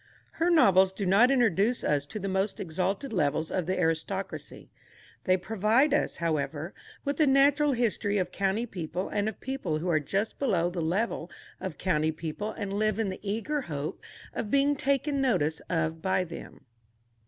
Her novels do not introduce us to the most exalted levels of the aristocracy. They provide us, however, with a natural history of county people and of people who are just below the level of county people and live in the eager hope of being taken notice of by them.